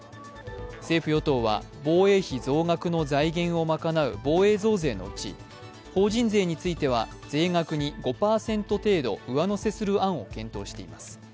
政府・与党は防衛費増額の財源を賄う防衛増税のうち法人税については税額に５％程度上乗せする案を検討しています。